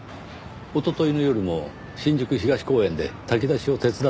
おとといの夜も新宿東公園で炊き出しを手伝っていました。